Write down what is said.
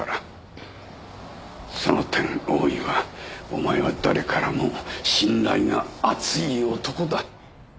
その点大岩お前は誰からも信頼が厚い男だ。